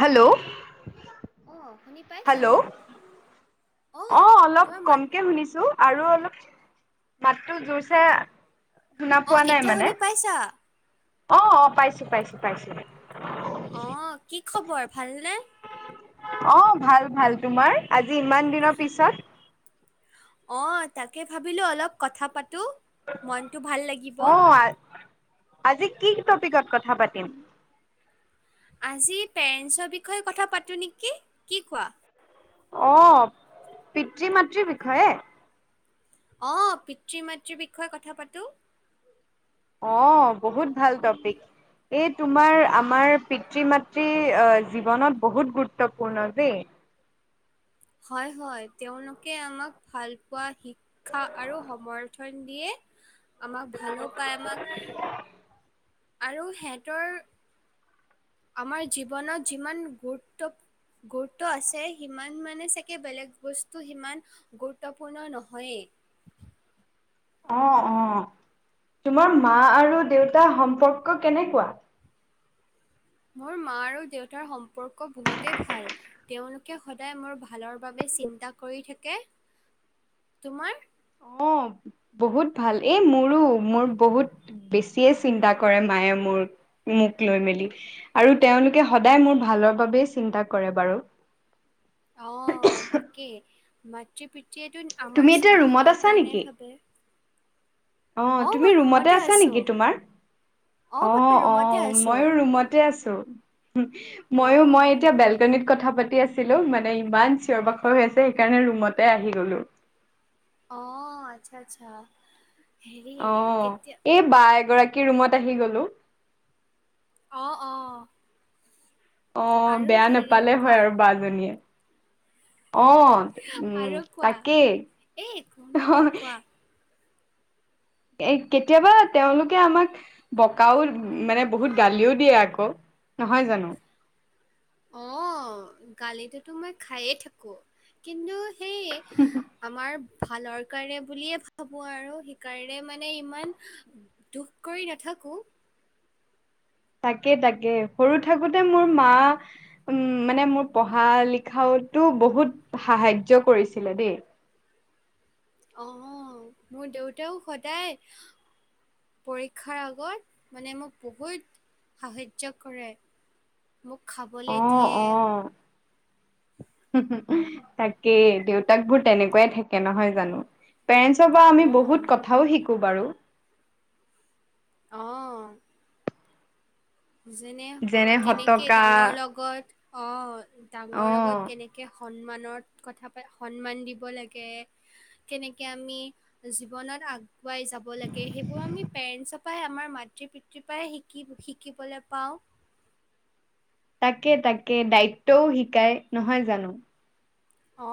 Hello. অ, শুনি পাই হেল্ল। অ, অলপ তোমাৰ মাত কমকে শুনিছো। আৰু অলপ মাতটো জুৰছে শুনা অ', পোৱা নাই এতিয়া মানে, শুনি পাইছা? অ', অ', পাইছো- পাইছো- পাইছো। অ, কি খবৰ ভালনে? অ', ভাল-ভাল, তোমাৰ? আজি ইমান দিনৰ পিছত? অ', তাকে ভাবিলো অলপ কথা পাতো। মনটো ভাল লাগিব। অ, আ আজি কি টপিকত কথা পাতিম? আজি পেৰেণ্টছৰ বিষয়ে কথা পাতোঁ নেকি, কি কোৱা? অ, পিতৃ-মাতৃৰ বিষয়ে? অ, পিতৃ-মাতৃৰ বিষয়ে কথা পাতো। অ, বহুত ভাল টপিক। এই তোমাৰ আমাৰ পিতৃ-মাতৃ আ জীৱনত বহুত গুৰুত্বপূৰ্ণ দেই। হয়, হয়। তেওঁলোকে আমাক ভাল পোৱা শিক ক্ষা আৰু সমৰ্থন দিয়ে, আমাক ভালো পায়। আমাক আৰু সেহঁতৰ আমাৰ জীৱনত যিমান গুৰুত্ব গুৰুত্ব আছে, সিমান মানে চাগে বেলেগ বস্তু সিমান গুৰুত্বপূৰ্ণ নহয়ে। অ, অ। তোমাৰ মা আৰু দেউতা সম্পৰ্ক কেনেকুৱা? মোৰ মা আৰু দেউতাৰ সম্পৰ্ক বহুতে ভাল। তেওঁলোকে সদায় মোৰ ভালৰ বাবে চিন্তা কৰি থাকে, তোমাৰ? অ, বহুত ভাল। এই মোৰো, মোৰ বহুত বেছিয়ে চিন্তা কৰে মায়ে মোৰ মোক লৈ মেলি। আৰু তেওঁলোকে সদায় মোৰ ভালৰ বাবেই চিন্তা কৰে বাৰু। অ, তাকেই। মাতৃ পিতৃয়েটো তুমি আমাৰ এতিয়া ৰুমত ভালৰ আছা কাৰণে নেকি? ভাবে। অ, তুমি ৰুমতে আছা নেকি তোমাৰ? অ, মই অ, ৰুমতে আছোঁ। মইও ৰুমতে আছো। ময়ো মই অ'। এতিয়া বেলকনিত কথা পাতি আছ ছিলো মানে ইমান চিঞৰ-বাখৰ হৈ আছে সেইকাৰণে ৰুমতে আহি গ'লো। অ, আচ্ছা, আচ্ছা। হেৰি অ, কেতিয়া এ বা এগৰাকী ৰুমত আহি গলো। অ, অ। অ, আৰু বেয়া হেৰি নেপালে হয় কোৱা। আৰু বা জনীয়ে। অ, উম আৰু কোৱা তাকেই। এ একো নহয় কোৱা [unintelligible] এ কেতিয়াবা তেওঁলোকে আমাক বকাও মানে বহুত গালিও দিয়ে আকৌ। নহয় জান অ, গালিটোতো মই খায়ে থাকো। কিন্তু সেই আমাৰ ভালৰ কাৰণে বুলিয়ে ভাবোঁ আৰু সেইকাৰণে মানে ইমান দুখ কৰি নাথাকো। তাকে, তাকে। সৰু থাকোতে মোৰ মা উম, মানে মোৰ পঢ়া লিখাওতো বহুত সাহাৰ্য কৰিছিলে দেই। অ, মোৰ দেউতাও সদায় পৰীক্ষাৰ আগত মানে মোক বহুত সাহাৰ্য কৰে। মোক খাবলে অ', দিয়ে অ'। [unintelligible] তাকেই, দেউতাকবোৰ তেনেকুৱাই থাকে, নহয় জানো? পেৰেন্টছ পা অ আমি বহুত কথাও শিকোঁ বাৰু। অ। যেনে কেনেকে ডাঙৰ লগত, অ। ডাঙৰ লগত অ'। কেনেকে সন্মানত কথা পা সন্মান দিব লাগে, কেনেকে আমি জীৱনত আগ পুৱাই যাব লাগে সেইবোৰ আমি পেৰেণ্টছৰ পাই আমাৰ মাতৃ পিতৃৰ পাহে শিকি শি শিকিবলে পাওঁ। তাকে, তাকে। দায়িত্বও শিকায়, নহয় জানো? অ,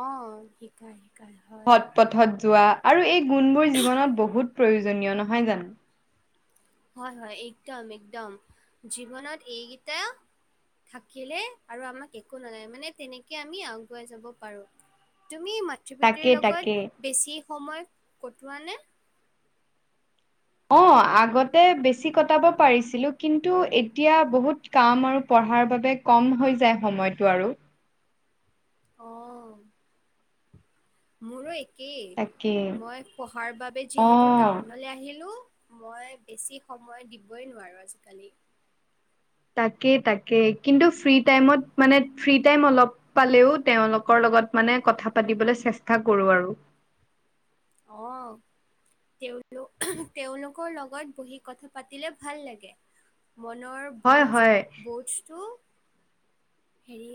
শিকাই, শিকাই হয়। সৎ পথত যোৱা আৰু এই গুণবোৰ জীৱনত বহুত প্ৰয়োজনীয়, নহয় জানো? হয়, হয় একদম, একদম। জীৱনত এইকিটা থাকিলে আৰু আমাক একো নালাগে। মানে তেনেকে আমি আগুৱাই যাব পাৰো। তুমি তাকে মাতৃ-পিতৃৰ তাকে লগত বেছি সময় কটোৱানে? অ', আগতে বেছি কটাব পৰিছিলোঁ কিন্তু এতিয়া বহুত কাম আৰু পঢ়াৰ বাবে কম হৈ যায় সময়টো আৰু। অ। মোৰো একেই। তাকে মই পঢ়াৰ বাবে অ যিহেতু টাউনলৈ আহিলো মই বেছি সময় দিবই নোৱাৰোঁ আজি-কালি। তাকে, তাকে। কিন্তু ফ্ৰী টাইমত মানে ফ্ৰী টাইম অলপ পালেও তেওঁলোকৰ লগত মানে কথা পাতিবলৈ চেষ্টা কৰোঁ আৰু। অ'। তেওঁলোক, তেওঁওলোকৰ লগত বহি কথা পাতিলে ভাল লাগে। মনৰ হয় বুজ হয় বুজটো হেৰি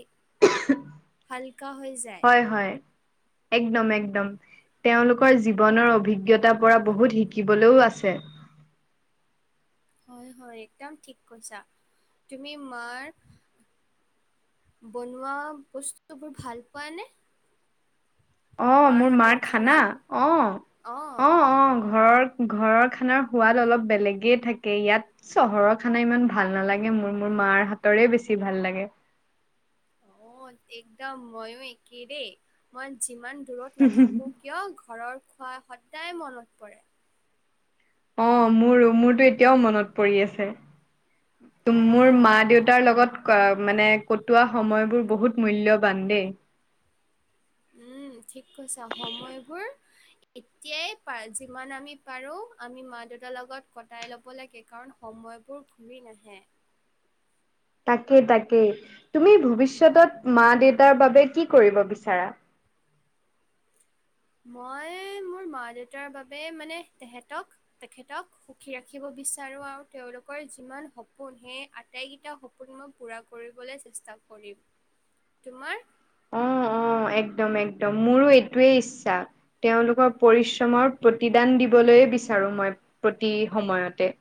হালকা হৈ যায়। হয়-হয়। একদম-একদম, তেওঁলোকৰ জীৱনৰ অভিজ্ঞতা পৰা বহুত শিকিবলৈও আছে। হয়-হয়, একদম ঠিক কৈছা। তুমি মাৰ বনোৱা বস্তু বোৰ ভাল পোৱা নে? অ', মোৰ মাৰ খানা? অ', অ', অ', ঘৰৰ ঘৰৰ খানাৰ সোৱাদ অলপ বেলেগেই থাকে ইয়াত চহৰৰ খানা ইমান ভাল নালাগে মোৰ। মোৰ মাৰ হাতৰে বেছি ভাল লাগে। অ', একদম ময়ো একে দেই। মই যিমান দূৰত নাথাকো কিয় ঘৰৰ খোৱা সদায় মনত পৰে। অ', মোৰো, মোৰতো এতিয়াও মনত পৰি আছে। মোৰ অ'। মা দেউতাৰ লগত অ', মানে কটোৱা সময়বোৰ বহুত মূল্যবান দেই। উম, ঠিক কৈছে সময়বোৰ এতিয়াই প যিমান আমি পাৰোঁ আমি মা দেউতাৰ লগত কটাই ল'ব লাগে, কাৰণ সময়বোৰ ঘূৰি নাহে। তাকেই-তাকেই, তুমি ভৱিষ্যত মা দেউতাৰ বাবে কি কৰিব বিচাৰা? মই মোৰ মা দেউতাৰ বাবে মানে তেহেতক, তেখেতক সুখী ৰাখিব বিচাৰো আৰু তেওঁলোকৰ যিমান সপোন, সেই আটাইকেইটা সপোন মই পুৰা কৰিবলৈ চেষ্টা কৰিম। তোমাৰ? অ', অ', একদম-একদম, মোৰো এইটোৱেই ইচ্ছা। তেওঁলোকৰ পৰিশ্ৰমৰ প্ৰতিদান দিবলৈয়ে বিচাৰোঁ মই প্ৰতি সময়তে।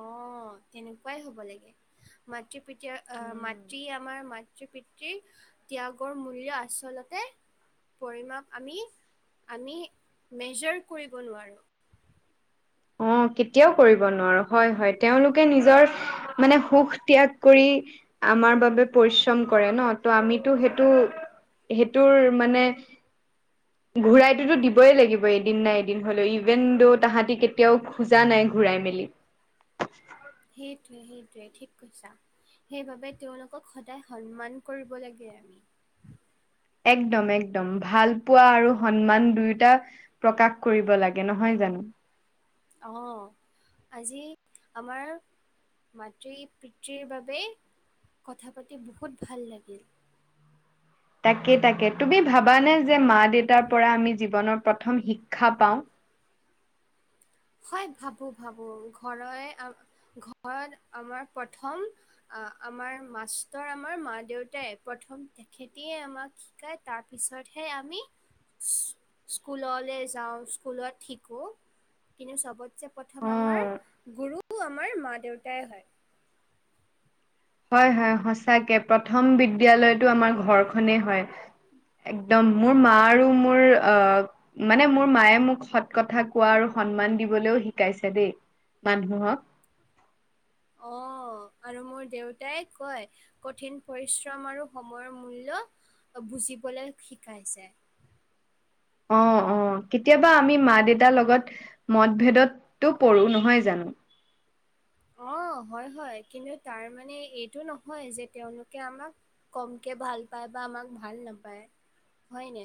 অ', তেনেকুৱাই হ'ব লাগে। মাতৃ পিত আহ মাতৃ আমাৰ মাত মাতৃ পিতৃ ত্যাগৰ মূল্য আচলতে পৰিমাপ আমি-আমি মেজাৰ কৰিব নোৱাৰোঁ। অ', কেতিয়াও কৰিব নোৱাৰোঁ হয়-হয়। তেওঁলোকে নিজৰ মানে সুখ ত্যাগ কৰি আমাৰ বাবে পৰিশ্ৰম কৰে ন? ত আমিতো সেইটো সেইটোৰ মানে ঘূৰাইতোতো দিবই লাগিব এদিন নাই এদিন হলেও ইভেণ্টো তাহাঁতি কেতিয়াও খোজা নাই ঘূৰাই মেলি। সেইটোৱে-সেইটোৱে ঠিক কৈছা। সেইবাবে তেওঁলোকক সদায় সন্মান কৰিব লাগে আমি। একদম-একদম, ভাল পোৱা আৰু সন্মান দুয়োটা প্ৰকাশ কৰিব লাগে, নহয় জানো? অ', আজি আমাৰ মাতৃ পিতৃৰ বাবে কথা পাতি বহুত ভাল লাগিল। তাকে-তাকে, তুমি ভাবানে যে মা দেউতাৰ পৰা আমি জীৱনৰ প্ৰথম শিক্ষা পাওঁ? হয়, ভাৱোঁ-ভাৱোঁ ঘৰ ঘৰত আমাৰ প্ৰথম আহ আমাৰ মাষ্টৰ আমাৰ মা দেউতাই প্ৰথম তেখেতিয়ে আমাক শাই তাৰ পিছতহে আমি স্কুললৈ যাওঁ, স্কুলত শিকোঁ। কিন্তু চবতছে অ প্ৰথম আমাৰ গুৰু আমাৰ মা দেউতাই হয়। হয়-হয় সচাকে, প্ৰথম বিদ্যয়ালয়টো আমাৰ ঘৰখনে হয়। একদম, মোৰ মা আৰু মোৰ অ মানে মোৰ মায়ে মোক সৎ কথা কোৱা আৰু সন্মান দিবলৈও শিকাইছে দে। মানুহক অ'। আৰু মোৰ দেউতাই কয়, কঠিন পৰিশ্ৰম আৰু সময়ৰ মূল্য বুজিবলৈ শিকাইছে। অ', অ', কেতিয়াবা আমি মা দেউতাৰ লগত মতভেদতো পৰোঁ, নহয় জানো? অ', হয়-হয়। কিন্তু তাৰ মানে এইটো নহয় যে তেওঁলোকে আমাক কমকে ভাল পায় বা আমাক ভাল নেপায়, হয়নে?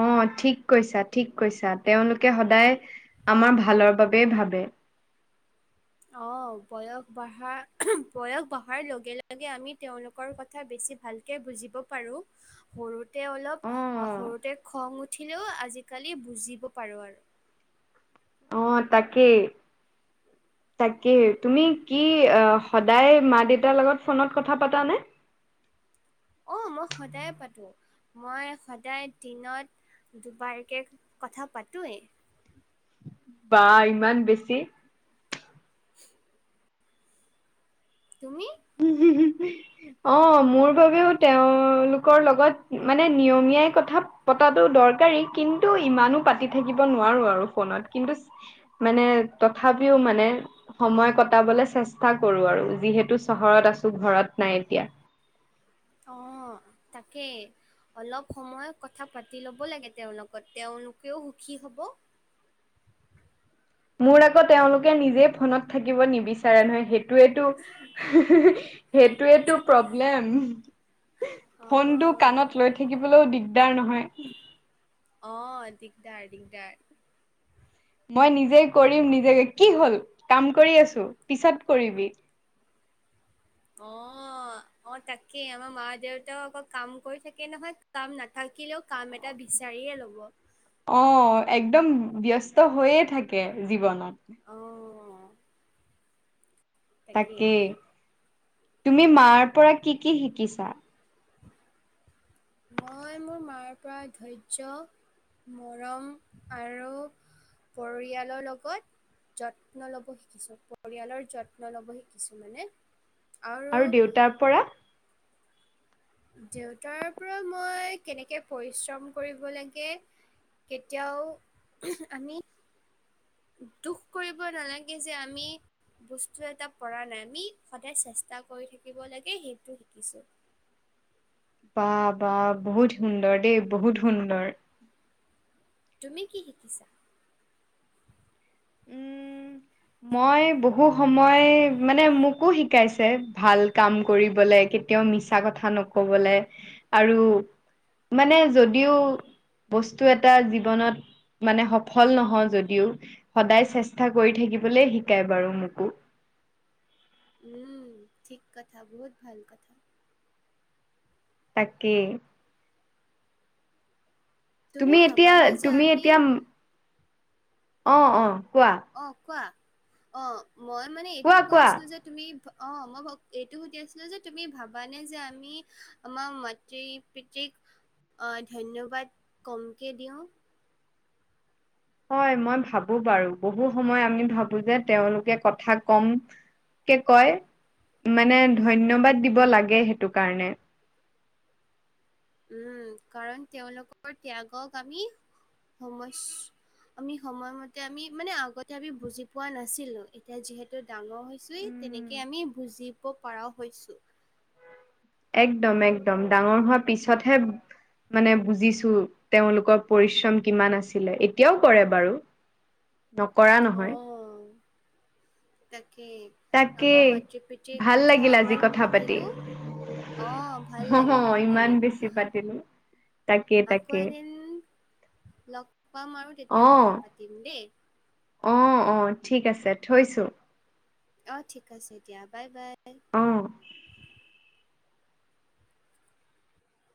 অ', ঠিক কৈছা- ঠিক কৈছা। তেওঁলোকে সদায় আমাৰ ভালৰ বাবে ভাবে। অ', বয়স বঢ়া- বয়স বঢ়াৰ লগে-লগে আমি তেওঁলোকৰ কথ কথা বেছি ভালকে বুজিব পাৰোঁ। সৰুতে অলপ অ সৰুতে খং উঠিলেও আজিকালি বুজিব পাৰোঁ আৰু। অ', তাকেই। তাকে তুমি কি অ, সদায় মা- দেউতাৰ লগত ফোনত কথা পতা নে? অ', মই সদায়ে পাতোঁ। মই সদায় দিনত দুবাৰকে কথা পাতোয়ে। বা ইমান বেছি? তুমি? উম-উম [unintelligible] অ', মোৰ বাবেও তেওঁলোকৰ লগত মানে নিয়মীয়াই কথা পতাটো দৰকাৰী কিন্তু ইমানো পাতি থাকিব নোৱাৰো আৰু ফোনত কিন্তু মানে তথাপিও মানে সময় কটাবলে চেষ্টা কৰোঁ আৰু যিহেতু চহৰত আছোঁ ঘৰত নাই এতিয়া। অ', তাকেই। অলপ সময় কথা পাতি ল'ব লাগে তেওঁলগত, তেওঁলোকেও সুখী হ'ব। মোৰ আকৌ তেওঁলোকে নিজেই ফোনত থাকিব নিবিচাৰে নহয় সেইটোৱেটো [unintelligible] সেইটোৱেটো প্ৰব্লেম [unintelligible] ফনটো অঁ কাণত লৈ থ থাকিবলৈও দিগদাৰ নহয়। অ', দিগদাৰ- দিগদাৰ। মই নিজে কৰিম নিজে, কি হ'ল? কাম কৰি আছোঁ, পিছত কৰিবি। অ'। অ', অ', তাকে আমাৰ মা -দেউতাওঁ অকৌ কাম কৰি থাকে নহয় কাম নাথাকিলেও কাম এটা বিচাৰিয়ে ল'ব। অ', একদম ব্যস্ত হৈয়ে থাকে জীৱনত। অ'। তাকেই। তাকে, তুমি মাৰ পৰা কি- কি শিকিছা? মই মোৰ মাৰ পৰা ধৈয্য মৰম আৰু পৰিয়ালৰ লগত যত্ন ল'ব শিকিছোঁ, পৰিয়ালৰ যত্ন ল'ব শিকিছোঁ মানে। আৰু দেউতাৰ পৰা? দেউতাৰ পৰা মই কেনেকে পৰিশ্ৰম কৰিব লাগে কেতিয়াও [unintelligible] আমি দুখ কৰিব নালাগে যে আমি বস্তু এটা পৰা নাই আমি সদায় চেষ্টা কৰি থাকিব লাগে সেইটো শিকিছোঁ। বা -বা বহুত সুন্দৰ দে বহুত সুন্দৰ। তুমি কি শিকিছা? উম মই বহু সময় মানে মোকো শিকাইছে ভাল কাম কৰিবলে কে তেওঁ মিছা কথা নকবলৈ আৰু মানে যদিও বস্তু এটা জীৱনত মানে সফল নহওঁ যদিওঁ সদায় চেষ্টা কৰি থাকিবলে শিকাই বাৰু মোকো। উম, ঠিক কথা বহুত ভাল কথা। তাকে। তুমি এতিয়া- ভাবানে যে তুমি আমি এতিয়া অ', অ', কোৱা অ', কোৱা? অ', মই মানে এইটো কোৱা কৈ কোৱা আছিলোঁ যে তুমি অ', মই এইটো সুধি আছিলোঁ যে তুমি ভাবানে যে আমি আমাৰ মাতৃ পিতৃক আ ধন্যবাদ কমকে দিওঁ। হয় মই ভাবোঁ বাৰু, বহু সময় আমি ভাৱোঁ যে তেওঁলোকে কথা কম কে কয়, মানে ধন্যবাদ দিব লাগে সেইটো কাৰণে। উম, কাৰণ তেওঁলোকৰ ত্যাগক আমি সম আমি সময়মতে আমি মানে আগতে আমি বুজি পোৱা নাছিলোঁ, এতিয়া যিহেতু ডাঙৰ হৈছোয়েই উম তেনেকে আমি বুজিব পৰাও হৈছো। একদম-একদম ডাঙৰ হোৱাৰ পিছতহে মানে বুজিছোঁ, তেওঁলোকৰ পৰিশ্ৰম কিমান আছিলে এতিয়াও কৰে বাৰু। [inaudible] নকৰা নহয়। তাকে আমাৰ তাকেই মাতৃ পিতৃৰ ভাল কথা লাগিল আজি ইমান কথা পাতি পাতিলোঁ অ', ভাল অহ লাগিল, ভাল ইমান লাগিল। বেছি পাতিলো তাকে আকৌ তাকে এদিন লগ পাম আৰু অ তেতিয়া কথা পাতিম দেই। অ', অ', ঠিক আছে থৈছোঁ। অ', ঠিক আছে দিয়া, বাই-বাই। অ